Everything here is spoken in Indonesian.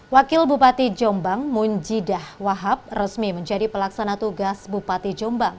wakil bupati jombang munjidah wahab resmi menjadi pelaksana tugas bupati jombang